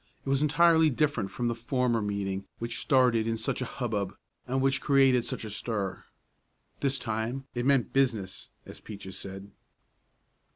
It was entirely different from the former meeting which started in such a hub bub, and which created such a stir. This time it meant "business," as Peaches said.